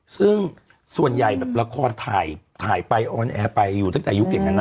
ซึ่งส่วนใหญ่แบบละครถ่ายถ่ายไปออนแอร์ไปอยู่ตั้งแต่ยุคอย่างนั้นนะ